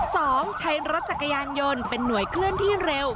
ใช้รถจักรยานยนต์เป็นหน่วยเคลื่อนที่เร็ว